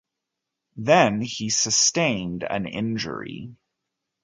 Then he sustained an injury.